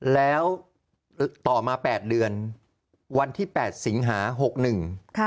แล้วต่อมา๘เดือนวันที่๘สิงหา๖๑